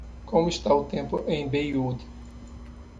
como está o tempo em Baywood